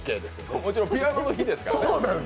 もちろん、ピアノの日ですからね。